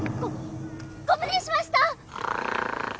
ごご無礼しました！